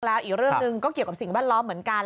แล้วอีกเรื่องหนึ่งก็เกี่ยวกับสิ่งแวดล้อมเหมือนกัน